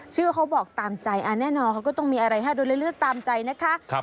เขาบอกตามใจแน่นอนเขาก็ต้องมีอะไรให้ดูเลือกตามใจนะคะ